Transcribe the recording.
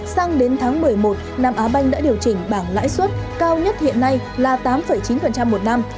sang đến tháng một mươi một nam á banh đã điều chỉnh bảng lãi suất cao nhất hiện nay là tám chín một năm